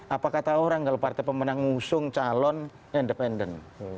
apakah tahu orang kalau partai pemenang ngusung calon independen